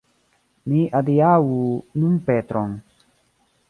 Ni adiaŭu nun Petron.